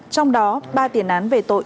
trong đó ba tiền án về tội trộm tài sản